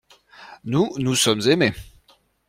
Nous, nous sommes aimés.